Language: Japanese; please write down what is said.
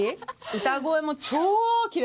歌声も超きれいだし。